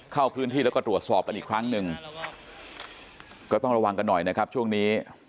เข้าพื้นที่แล้วก็ตรวจสอบกันอีกครั้งหนึ่งก็ต้องระวังกันหน่อยนะครับช่วงนี้